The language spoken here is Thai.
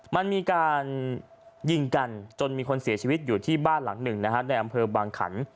มันมีการยิงกันจนมีคนเสียชีวิตอยู่ที่บ้านหลังหนึ่งนะฮะในอำเภอบางขัน